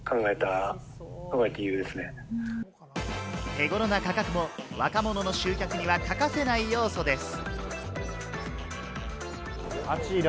手頃な価格も、若者の集客には欠かせない要素です。